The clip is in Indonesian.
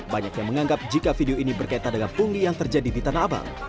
banyak yang menganggap jika video ini berkaitan dengan pungli yang terjadi di tanah abang